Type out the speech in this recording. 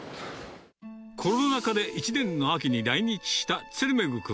コロナ禍で１年の秋に来日したツェルメグ君。